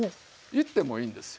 言ってもいいんですよ。